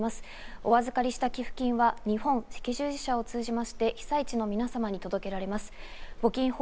お預かりした寄付金は日本赤十字社を通じまして、被災地の皆様に届けられます。